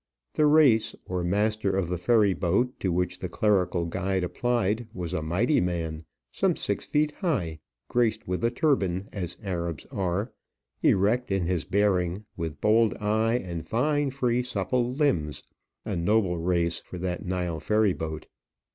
The reis or master of the ferry boat to which the clerical guide applied was a mighty man, some six feet high, graced with a turban, as Arabs are; erect in his bearing, with bold eye, and fine, free, supple limbs a noble reis for that Nile ferry boat.